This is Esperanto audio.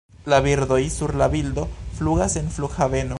La birdoj, Sur la bildo, flugas en flughaveno.